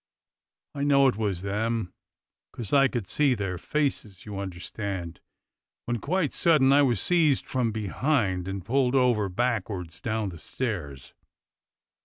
I know it was them, 'cos I could see their faces, you understand, when quite sudden I was seized from behind and pulled over backwards down the stairs.